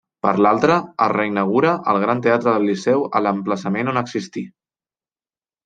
Per l'altra, es reinaugura el Gran Teatre del Liceu a l'emplaçament on existí.